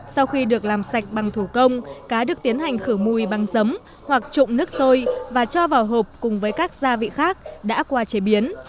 sau khi được làm sạch bằng thủ công cá được tiến hành khử mùi bằng giấm hoặc trụng nước sôi và cho vào hộp cùng với các gia vị khác đã qua chế biến